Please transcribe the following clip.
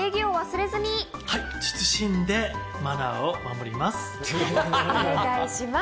謹んでマナーを守ります。